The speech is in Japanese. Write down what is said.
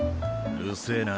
うるせぇな。